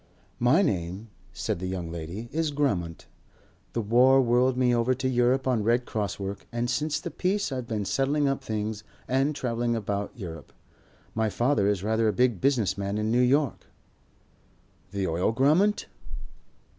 "My name," said the young lady, "is Grammont. The war whirled me over to Europe on Red Cross work and since the peace I've been settling up things and travelling about Europe. My father is rather a big business man in New York." "The oil Grammont?"